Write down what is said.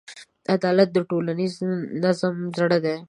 عدالت د ټولنیز نظم زړه دی.